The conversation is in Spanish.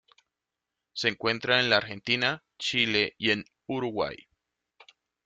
Se encuentra en la Argentina, Chile y en Uruguay.